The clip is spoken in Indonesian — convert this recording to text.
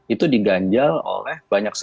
itu diganjal oleh banyak sekali